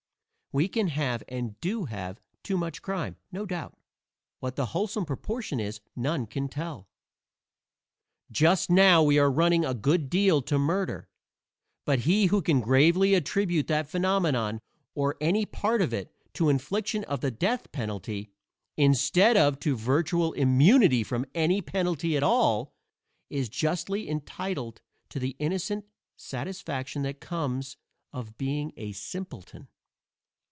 We can have, and do have, too much crime, no doubt; what the wholesome proportion is none can tell. Just now we are running a good deal to murder, but he who can gravely attribute that phenomenon, or any part of it, to infliction of the death penalty, instead of to virtual immunity from any penalty at all, is justly entitled to the innocent satisfaction that comes of being a simpleton.